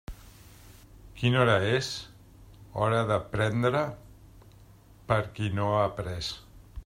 Quina hora és? Hora de prendre per qui no ha pres.